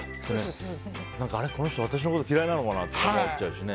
この人私のこと嫌いなのかなって思っちゃうしね。